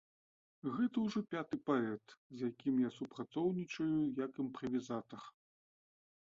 Гэта ўжо пяты паэт, з якім я супрацоўнічаю, як імправізатар.